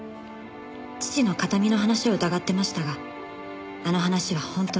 「父の形見の話を疑ってましたがあの話は本当です」